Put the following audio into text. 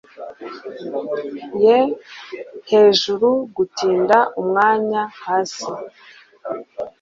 ye hejuru gutinda umwanya hasi